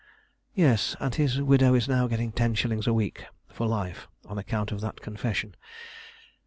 "Yes, and his widow is now getting ten shillings a week for life on account of that confession.